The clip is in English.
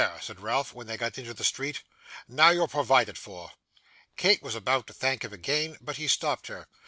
said Ralph when they got into the street; 'now you're provided for.' Kate was about to thank him again, but he stopped her.